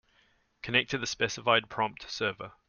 Connect to the specified prompt server.